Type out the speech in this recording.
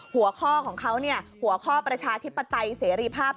หัวข้อประชาธิปไตยเสรีภาพ